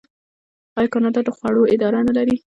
آیا کاناډا د خوړو اداره نلري؟